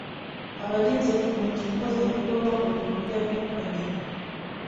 Abagize komite mpuzabikorwa mu bigo by’abikorera